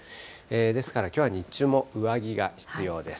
ですからきょうは日中も上着が必要です。